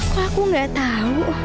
kok aku gak tau